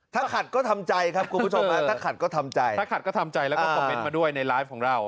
ถ้าขัดก็ทำใจครับคุณผู้ชมถ้าขัดก็ทำใจถ้าขัดก็ทำใจแล้วก็คอมเมนต์มาด้วยในไลฟ์ของเรา